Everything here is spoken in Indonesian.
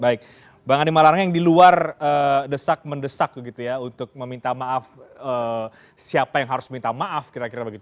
baik bang andi malarangeng di luar desak mendesak begitu ya untuk meminta maaf siapa yang harus minta maaf kira kira begitu